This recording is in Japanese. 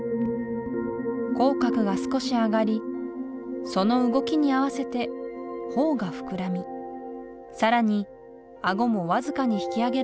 口角が少し上がりその動きに合わせて頬が膨らみ更に顎も僅かに引き上げられています